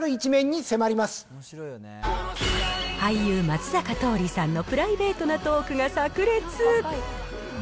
知られざる一面俳優、松坂桃李さんのプライベートなトークがさく裂。